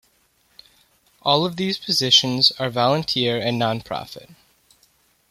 All of these positions are volunteer and nonprofit.